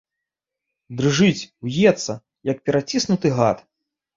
Дрыжыць, уецца, як пераціснуты гад.